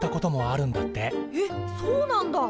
えっそうなんだ！